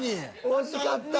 惜しかった。